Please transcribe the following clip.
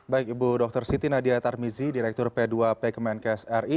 baik ibu dr siti nadia tarmizi direktur p dua p kemenkes ri